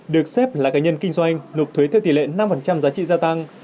được xếp là cá nhân kinh doanh nộp thuế theo tỷ lệ năm giá trị gia tăng